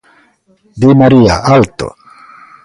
Di María, alto.